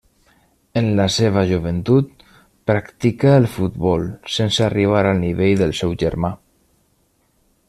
En la seva joventut practicà el futbol, sense arribar al nivell del seu germà.